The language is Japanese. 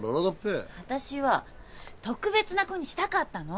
わたしは特別な子にしたかったの。